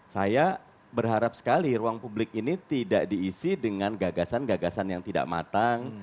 saya berharap sekali ruang publik ini tidak diisi dengan gagasan gagasan yang tidak matang